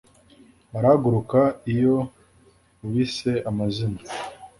Barahaguruka iyo ubise amazina